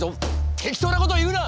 適当なことを言うな！